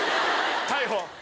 逮捕。